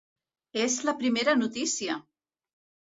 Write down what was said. És la primera notícia!